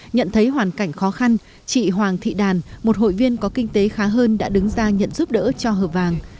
nhận thấy hoàn cảnh khó khăn chị hoàng thị đàn một hội viên có kinh tế khá hơn đã đứng ra nhận giúp đỡ cho hờ vàng